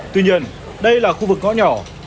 tuy nhiên đây là khu vực ngõ nhỏ